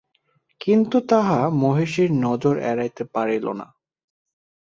কিন্তু তাহা মহিষীর নজর এড়াইতে পারিল না।